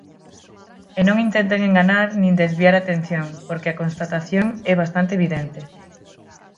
E non intenten enganar nin desviar a atención porque a constatación é bastante evidente.